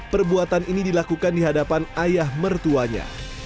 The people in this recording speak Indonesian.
perbuatan ini dilakukan dihadapan ayah mertuanya